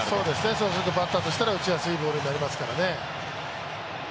そうするとバッターとしたら打ちやすいボールになりますからね。